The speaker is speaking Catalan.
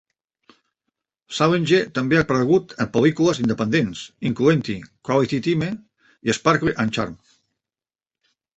Salenger també ha aparegut en pel·lícules independents, incloent-hi "Quality Time" i "Sparkle and Charm".